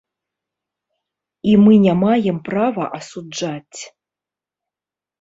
І мы не маем права асуджаць.